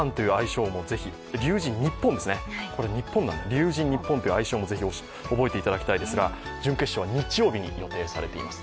龍神ＮＩＰＰＯＮという愛称もぜひ覚えていただきたいですが準決勝は日曜日に予定されています。